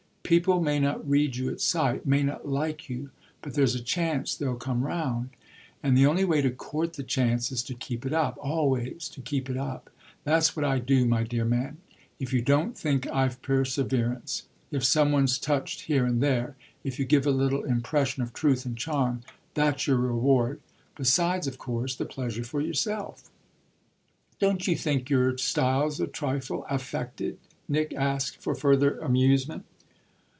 People may not read you at sight, may not like you, but there's a chance they'll come round; and the only way to court the chance is to keep it up always to keep it up. That's what I do, my dear man if you don't think I've perseverance. If some one's touched here and there, if you give a little impression of truth and charm, that's your reward; besides of course the pleasure for yourself." "Don't you think your style's a trifle affected?" Nick asked for further amusement.